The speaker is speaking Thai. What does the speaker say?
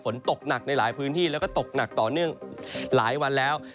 ฝนตกหนักในหลายพื้นที่แล้วก็ตกหนักต่อเนื่องหลายวันแล้ว